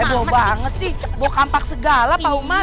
ebo banget sih bawa kampak segala pak umar